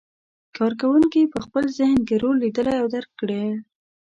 کار کوونکي په خپل ذهن کې رول لیدلی او درک کړی.